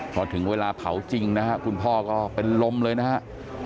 พอถึงเวลาเผาจริงนะฮะคุณพ่อก็เป็นลมเลยนะฮะ